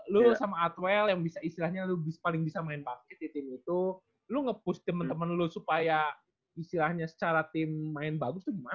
lu sama atwel yang bisa istilahnya lus paling bisa main paket di tim itu lo nge push temen temen lu supaya istilahnya secara tim main bagus tuh gimana